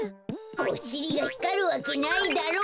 おしりがひかるわけないだろう。